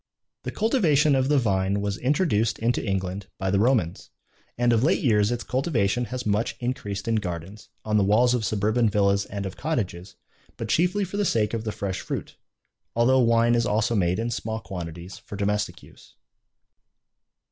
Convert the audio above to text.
The cultivation of the vine was introduced into England by the Romans, and of late years its cultivation has much increased in gardens, on the walls of suburban villas and of cottages, but chiefly for the sake of the fresh fruit, although wine is also made in small quantities for domestic use.